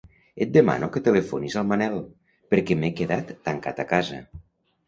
Et demano que telefonis al Manel, perquè m'he quedat tancat a casa.